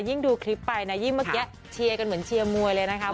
ดูคลิปไปนะยิ่งเมื่อกี้เชียร์กันเหมือนเชียร์มวยเลยนะคะ